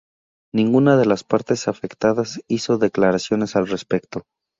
Ninguna de las partes afectadas hizo declaraciones al respecto.